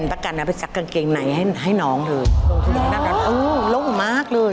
ส่งพระกัญงาไปสักกางเกงไหนให้น้องด้วย